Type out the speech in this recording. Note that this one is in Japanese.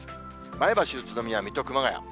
前橋、宇都宮、水戸、熊谷。